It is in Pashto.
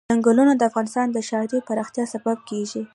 ځنګلونه د افغانستان د ښاري پراختیا سبب کېږي.